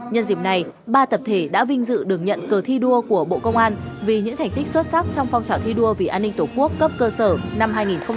nhân dịp này ba tập thể đã vinh dự được nhận cờ thi đua của bộ công an vì những thành tích xuất sắc trong phong trào thi đua vì an ninh tổ quốc cấp cơ sở năm hai nghìn hai mươi ba